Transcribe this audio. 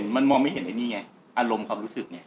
มันมองไม่เห็นไอ้นี่ไงอารมณ์ความรู้สึกไง